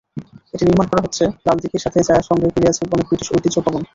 এটি নির্মান করা হচ্ছে লাল দিঘির সাথে যা সঙ্গে ঘিরে রয়েছে অনেক ব্রিটিশ ঐতিহ্য ভবন।